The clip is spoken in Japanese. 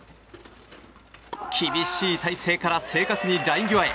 厳しい体勢から正確にライン際へ。